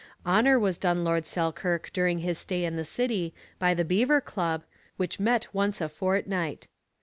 Honour was done Lord Selkirk during his stay in the city by the Beaver Club, which met once a fortnight.